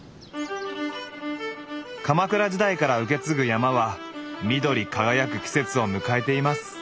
鎌倉時代から受け継ぐ山は緑輝く季節を迎えています。